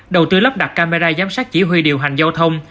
đầu tư lắp đặt camera giám sát chỉ huy điều hành giao thông